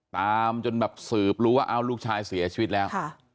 ตามจนแบบสืบรู้ว่าลูกชายเสียชีวิตแล้ว